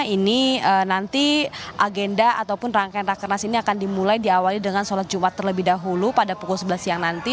ini nanti agenda ataupun rangkaian rakernas ini akan dimulai diawali dengan sholat jumat terlebih dahulu pada pukul sebelas siang nanti